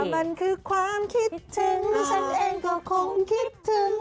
มันคือความคิดถึงฉันเองก็คงคิดถึง